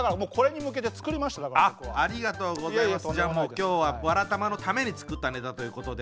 今日は「わらたま」のために作ったネタということで。